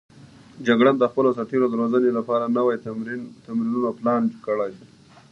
جګړن د خپلو سرتېرو روزنې لپاره نوي تمرینونه پلان کړي دي.